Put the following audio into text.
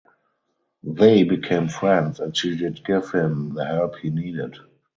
They became friends and she did give him the help he needed.